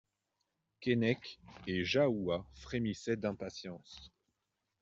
Keinec et Jahoua frémissaient d'impatience.